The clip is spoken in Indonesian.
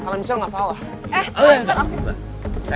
karena michelle gak salah